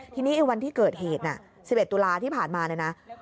ทีนี้วันที่เกิดเหตุสิบเอ็ดตุลาที่ผ่านมาเลยนะ